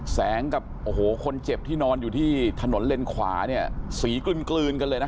แสงกับโอ้โหคนเจ็บที่นอนอยู่ที่ถนนเลนขวาเนี่ยสีกลืนกันเลยนะ